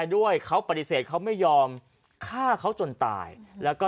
ชาวบ้านญาติโปรดแค้นไปดูภาพบรรยากาศขณะทำแผนครับ